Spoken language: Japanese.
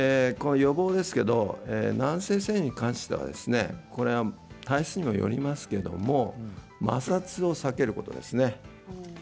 軟性線維腫に関しては体質にもよりますけれども摩擦を避けることですね。